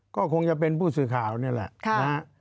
ก็คงจะเป็นผู้สื่อข่าวนี่แหละนะฮะ